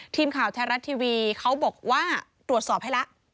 ทีมข่าวไทยรัฐทีวีเขาบอกว่าตรวจสอบให้แล้ว